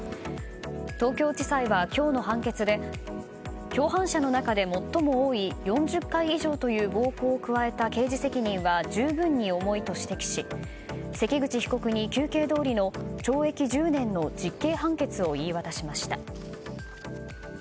東京地裁は今日の判決で共犯者の中で最も多い４０回以上という暴行を加えた刑事責任は十分に重いと指摘し、関口被告に求刑どおりの懲役１０年の実刑判決を言い渡しました。